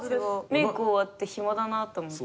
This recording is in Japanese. メーク終わって暇だなと思って。